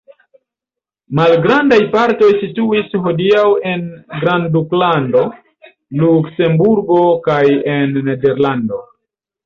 Malgrandaj partoj situis hodiaŭ en grandduklando Luksemburgo kaj en Nederlando.